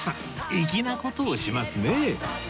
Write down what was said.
粋な事をしますね